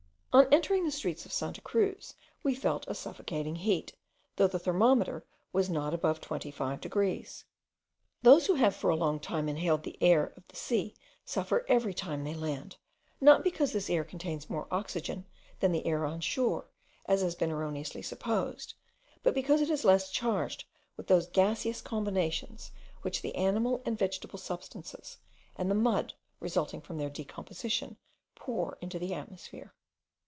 On entering the streets of Santa Cruz, we felt a suffocating heat, though the thermometer was not above twenty five degrees. Those who have for a long time inhaled the air of the sea suffer every time they land; not because this air contains more oxygen than the air on shore, as has been erroneously supposed, but because it is less charged with those gaseous combinations, which the animal and vegetable substances, and the mud resulting from their decomposition, pour into the atmosphere.